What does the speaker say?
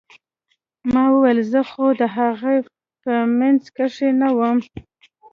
ما وويل زه خو د هغوى په منځ کښې نه وم.